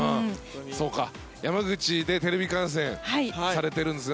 山口でテレビ観戦されてるんですね